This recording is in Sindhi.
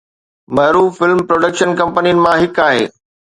معروف فلم پروڊڪشن ڪمپنين مان هڪ آهي